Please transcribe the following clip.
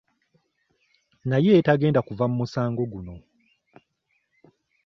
Naye tagenda kuva mu musango guno.